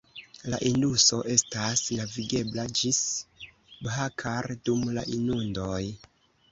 La Induso estas navigebla ĝis Bhakar dum la inundoj.